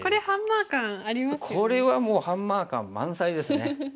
これはもうハンマー感満載ですね。